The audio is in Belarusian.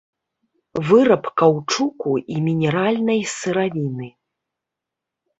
Выраб каўчуку і мінеральнай сыравіны.